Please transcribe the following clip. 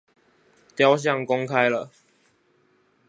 雕像公開了